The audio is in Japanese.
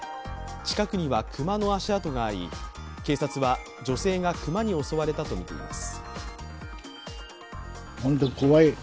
近くには熊の足跡があり、警察は女性が熊に襲われたとみています。